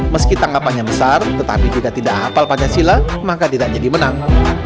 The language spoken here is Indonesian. meski tanggapannya besar tetapi juga tidak hafal pancasila maka tidak jadi menang